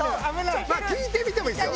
聞いてみてもいいですよ。